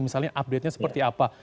misalnya update nya seperti apa